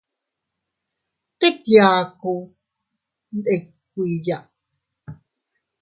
Tet yaku iyndikuiya.